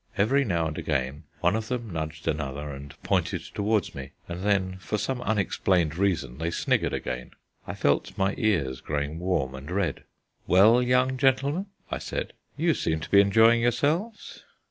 Every now and again one of them nudged another and pointed towards me; and then, for some unexplained reason, they sniggered again. I felt my ears growing warm and red. "Well, young gentlemen," I said, "you seem to be enjoying yourselves."